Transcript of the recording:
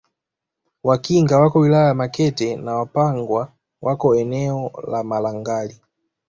Wakinga wako wilaya ya Makete na Wapangwa wako eneo la Malangali